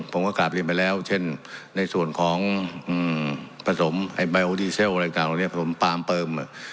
ผมก็กลับเรียนไปแล้วเช่นในส่วนของผสมไบโอดีเซลล์ผสมปาร์มเพิ่ม